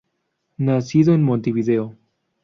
Nacido en Montevideo.